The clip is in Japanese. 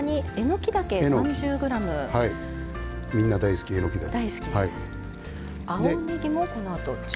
みんな大好き、えのきだけ。